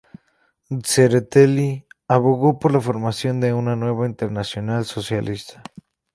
Tsereteli abogó por la formación de una nueva Internacional Socialista.